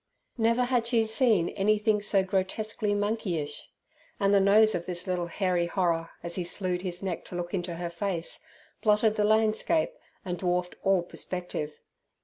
Never had she seen anything so grotesquely monkeyish. And the nose of this little hairy horror, as he slewed his neck to look into her face, blotted the landscape and dwarfed all perspective.